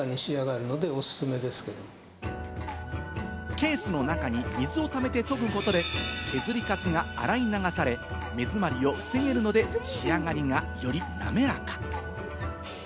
ケースの中に水を溜めて研ぐことで、削りカスが洗い流され、目づまりを防げるので仕上がりがより滑らか。